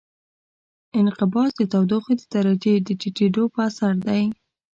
انقباض د تودوخې د درجې د ټیټېدو په اثر دی.